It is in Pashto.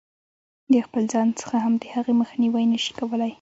د خپل ځان څخه هم د هغې مخنیوی نه شي کولای.